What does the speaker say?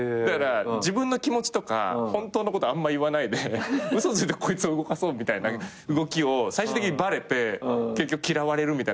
自分の気持ちとか本当のことあんま言わないで嘘ついてこいつを動かそうみたいな動きを最終的にバレて結局嫌われるみたいなパターンが多いんすよ。